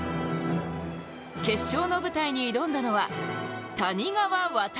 決勝の舞台に挑んだのは谷川航。